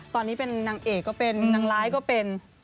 ตอนนี้เป็นนางเอกก็เป็นนางร้ายก็เป็น